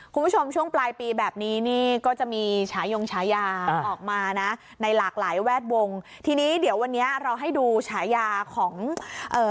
คุณผู้ชมช่วงปลายปีแบบนี้นี่ก็จะมีฉายงฉายาออกมานะในหลากหลายแวดวงทีนี้เดี๋ยววันนี้เราให้ดูฉายาของเอ่อ